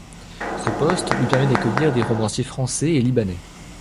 Ce poste lui permet d'accueillir des romanciers français et libanais.